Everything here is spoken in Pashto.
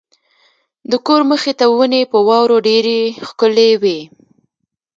د کور مخې ته ونې په واورو ډېرې ښکلې وې.